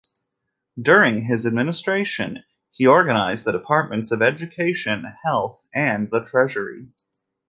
During his administration, he organized the Departments of Education, Health and the Treasury.